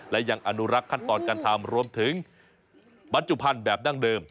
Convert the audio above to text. และยังอนุรักษ์ขั้นตอนการทำรวมถึงบรรจุภัณฑ์แบบดั้งเดิม